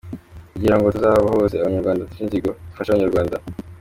kugira ngo tuzabohoze abanyarwanda, duce inzigo, dufashe abanyarwanda